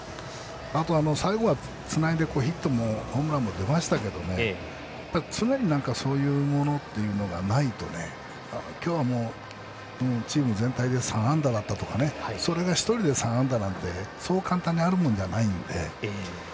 あとは最後、つないでヒットもホームランも出ましたが常にそういうものがないと今日もチーム全体で３安打だったとかそれが１人で３安打とかってそう簡単にあるものじゃないんで。